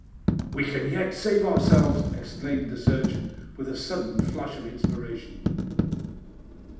"We can yet save ourselves!" exclaimed surgeon, with a sudden flash of inspiration.